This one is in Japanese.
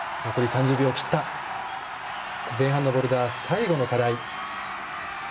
前半のボルダー、最後の課題。